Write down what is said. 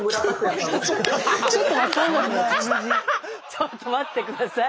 ちょっと待って下さい。